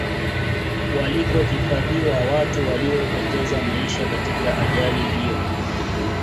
walikohifadhiwa watu waliopeza maisha katika ajali hiyo